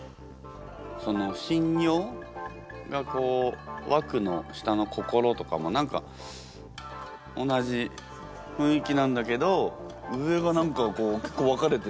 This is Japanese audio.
そのしんにょうがこう「惑」の下の「心」とかも何か同じ雰囲気なんだけど上が何かこう結構分かれててね。